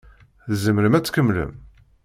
Tzemrem ad tkemmlem?